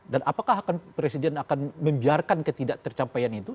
dan apakah presiden akan membiarkan ketidak tercapaian itu